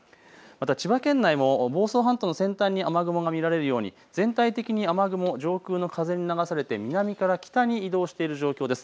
また千葉県内も房総半島の先端に雨雲が見られるように全体的に雨雲、上空の風に流されて南から北に移動している状況です。